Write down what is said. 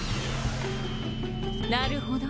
なるほど。